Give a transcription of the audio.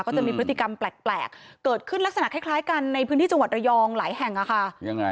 ก็จะมีพฤติกรรมแปลกเกิดขึ้นลักษณะคล้ายกันในพื้นที่จังหวัดระยองหลายแห่งอะค่ะยังไง